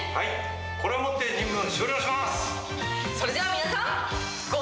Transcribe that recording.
これをもって任務を終了します。